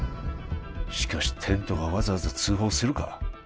しかしテントがわざわざ通報するか？